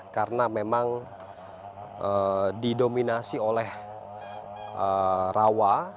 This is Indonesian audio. karena memang didominasi oleh rawa